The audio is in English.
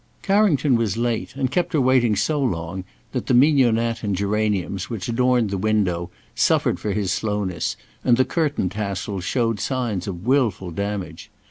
Carrington was late and kept her waiting so long, that the mignonette and geraniums, which adorned the window, suffered for his slowness, and the curtain tassels showed signs of wilful damage.